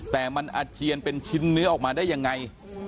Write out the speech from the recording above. แต่มันอาเจียนเป็นชิ้นเนื้อออกมาได้ยังไง